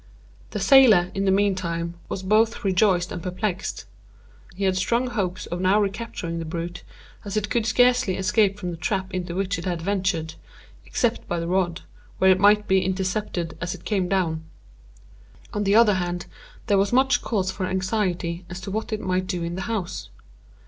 The sailor, in the meantime, was both rejoiced and perplexed. He had strong hopes of now recapturing the brute, as it could scarcely escape from the trap into which it had ventured, except by the rod, where it might be intercepted as it came down. On the other hand, there was much cause for anxiety as to what it might do in the house.